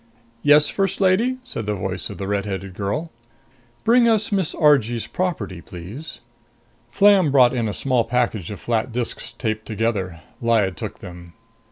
"Yes, First Lady?" said the voice of the red headed girl. "Bring us Miss Argee's property, please." Flam brought in a small package of flat disks taped together. Lyad took them.